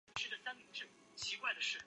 韦斯克莱。